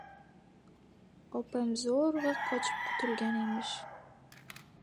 Opam zo‘rg‘a qochib qutulgan emish.